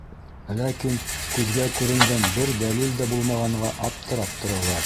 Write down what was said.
Ләкин күҙгә күренгән бер дәлил дә булмағанға аптырап торалар.